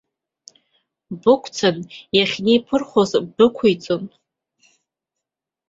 Бықәцан иахьынеиԥырхоз бдәықәиҵон.